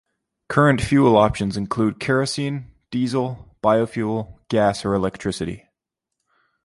Current fuel options include kerosene, diesel, biofuel, gas or electricity.